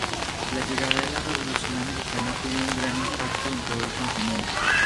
La llegada de la revolución americana tuvo un gran impacto en todo el continente.